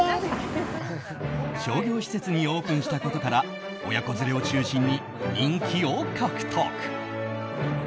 商業施設にオープンしたことから親子連れを中心に人気を獲得。